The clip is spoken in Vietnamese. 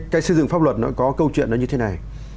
cái xây dựng pháp luật nó có câu chuyện nó như thế này